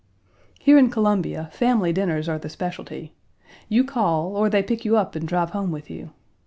Here in Columbia, family dinners are the specialty. You call, or they pick you up and drive home with you.